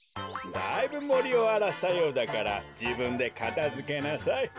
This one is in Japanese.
だいぶもりをあらしたようだからじぶんでかたづけなさい。